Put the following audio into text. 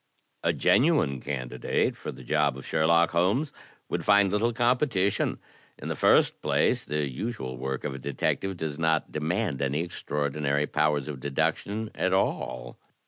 A genuine candidate for the job of Sheriock Holmes would find little competition. In the first place, the usual work of a detective does not demand any extraordinary powers of deduction at all.